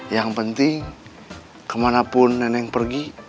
yang penting kemanapun neneng pergi